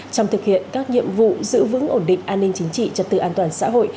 trong thực hiện các nhiệm vụ giữ vững ổn định an ninh chính trị trật tự an toàn xã hội